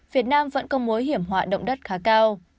việt nam vẫn có mối hiểm họa động đất khá cao